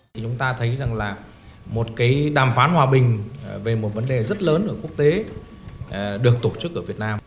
thì chúng ta thấy rằng là một cái đàm phán hòa bình về một vấn đề rất lớn ở quốc tế được tổ chức ở việt nam